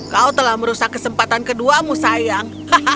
kau telah merusak kesempatan keduamu sayang